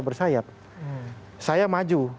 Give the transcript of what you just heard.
bersayap saya maju